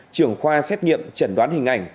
trưởng khoa xét nghiệm trần đoán hình ảnh